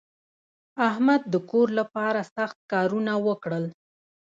احمد د کور لپاره سخت کارونه وکړل.